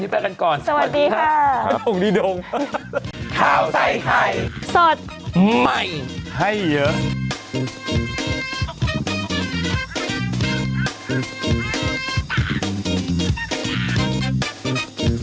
แล้วกันก่อนสวัสดีค่ะองค์ดีดงสวัสดีค่ะองค์ดีดง